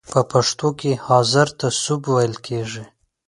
په پښتو کې حاضر ته سوب ویل کیږی.